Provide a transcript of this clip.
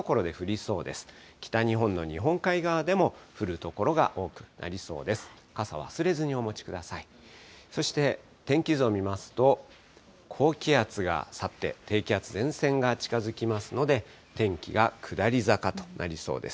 そして、天気図を見ますと、高気圧が去って、低気圧前線が近づきますので、天気が下り坂となりそうです。